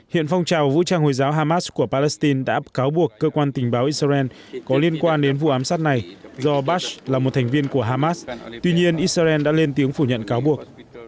hiện phong trào vũ trang hồi giáo hamas của palestine đã cáo buộc cơ quan tình báo israel có liên quan đến vụ ám sát này do bash là một thành viên của hamas tuy nhiên israel đã lên tiếng phủ nhận cáo buộc